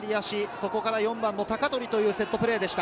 そこから４番の鷹取というセットプレーでした。